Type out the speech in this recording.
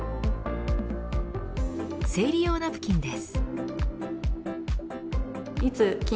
生理用ナプキンです。